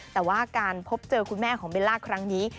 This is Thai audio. แต่ว่าการพบเจอคุณแม่ของเบลล่าครั้งนี้